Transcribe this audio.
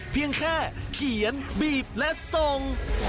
เพียงแค่เขียนบีบและส่ง